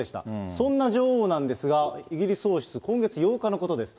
そんな女王なんですが、イギリス王室、今月８日のことです。